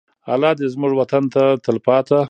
الله دې زموږ وطن ته تلپاته.